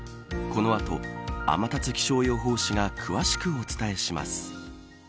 この後、天達気象予報士が詳しくお伝えします。